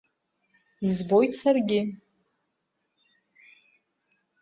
Избоит саргьы…